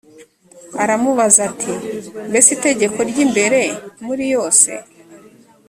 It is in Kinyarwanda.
aramubaza ati mbese itegeko ry imbere muri yose